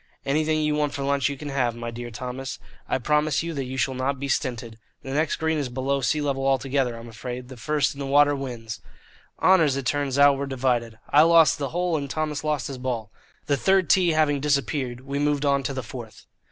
"Anything you want for lunch you can have, my dear Thomas. I promise you that you shall not be stinted. The next green is below sea level altogether, I'm afraid. The first in the water wins." Honours, it turned out, were divided. I lost the hole, and Thomas lost his ball. The third tee having disappeared, we moved on to the fourth.